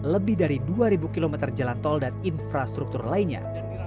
lebih dari dua ribu km jalan tol dan infrastruktur lainnya